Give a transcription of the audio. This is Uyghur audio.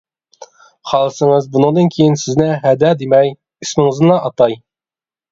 خالىسىڭىز بۇنىڭدىن كېيىن سىزنى ھەدە دېمەي ئىسمىڭىزنىلا ئاتاي.